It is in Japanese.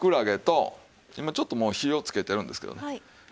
今ちょっともう火をつけてるんですけどね。